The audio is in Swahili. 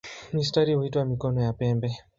Mistari huitwa "mikono" ya pembe.